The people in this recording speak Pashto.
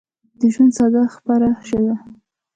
د ژوندون ساه خپره شوه